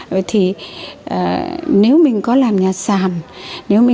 vậy thì nếu mình có làm nhà sàn